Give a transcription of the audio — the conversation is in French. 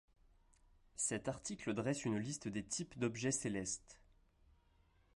Cet article dresse une liste des types d'objets célestes.